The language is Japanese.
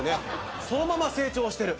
そのまま成長している。